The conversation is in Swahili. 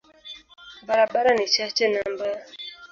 Barabara ni chache na mbaya.